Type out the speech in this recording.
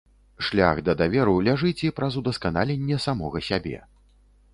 Шлях да даверу ляжыць і праз удасканаленне самога сябе.